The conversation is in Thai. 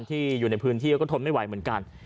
อยู่ในพื้นที่ก็ทนไม่ไหวเหมือนกัน